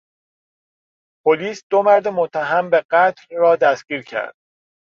پلیس دو مرد متهم به قتل را دستگیر کرد.